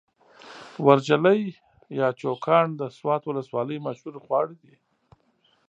ورژلي يا چوکاڼ د سوات ولسوالۍ مشهور خواړه دي.